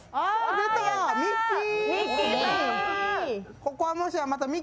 出た、ミッキー！